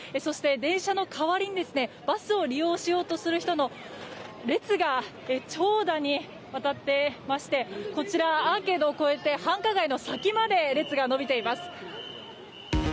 電車の代わりにバスを利用しようとする人の列が長蛇にわたっていましてこちら、アーケードを越えて繁華街の先まで列が伸びています。